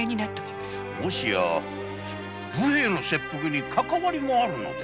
もしや武兵衛の切腹にかかわりがあるのでは？